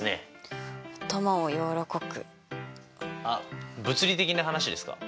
あっ物理的な話ですか？